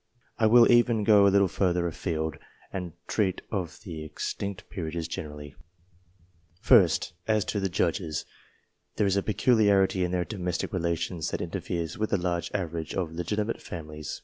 I will even go a little further a field, and treat of the extinct peerages generally. First, as to the Judges : there is a peculiarity in their domestic relations that interferes with a large average of legitimate families.